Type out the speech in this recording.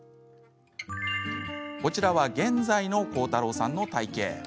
こちらは現在の広太郎さんの体型。